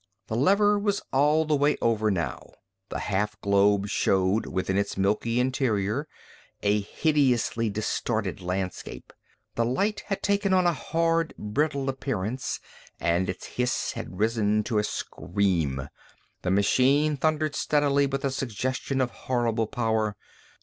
The lever was all the way over now. The half globe showed, within its milky interior, a hideously distorted landscape. The light had taken on a hard, brittle appearance and its hiss had risen to a scream. The machine thundered steadily with a suggestion of horrible power.